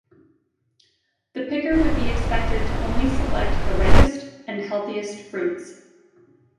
The picker would be expected to only select the ripest and healthiest fruits.